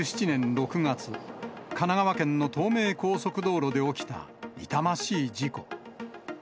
２０１７年６月、神奈川県の東名高速道路で起きた痛ましい事故。